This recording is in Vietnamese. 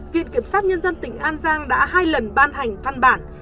viện kiểm sát nhân dân tỉnh an giang đã hai lần ban hành văn bản